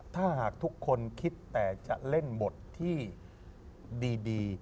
ถ้าหากทุกคนคิดแต่จะเล่นบทที่ดี